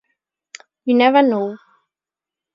You never know.